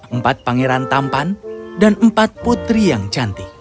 empat pangeran tampan dan empat putri yang cantik